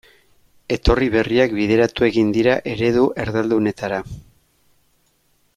Etorri berriak bideratu egin dira eredu erdaldunetara.